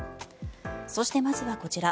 そして、まずはこちら。